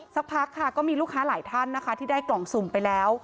สักพักค่ะก็มีลูกค้าหลายท่านนะคะที่ได้กล่องสุ่มไปแล้ว